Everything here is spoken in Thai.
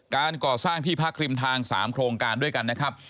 การก่อสร้างที่พักริมทาง๓โครงการด้วยกันนะครับ